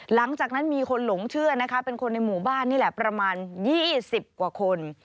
หลังจากนั้นมีคนหลงเชื่อนะคะเป็นคนในหมู่บ้านนี่แหละประมาณ๒๐กว่าคน